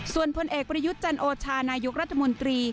ส่วนพลเอกประยุทธ์จันโอชานายกรัฐมนตรี